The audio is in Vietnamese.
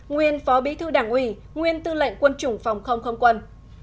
nguyên phó bí thư đảng ủy nguyên tư lệnh quân chủng phòng không không quân